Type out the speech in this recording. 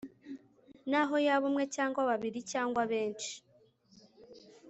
naho yaba umwe cyangwa babiri cyangwa benshi